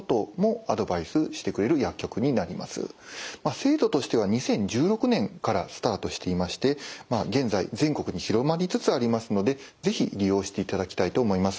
制度としては２０１６年からスタートしていまして現在全国に広まりつつありますので是非利用していただきたいと思います。